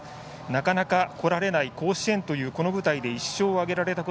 なかなか来られない甲子園という、この舞台で１勝を挙げられら